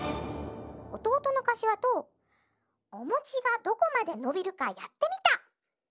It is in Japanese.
おとうとのかしわとおもちがどこまでのびるかやってみた！